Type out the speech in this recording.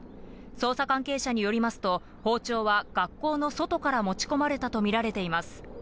捜査関係者によりますと、包丁は学校の外から持ち込まれたと見られています。